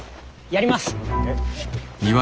やります！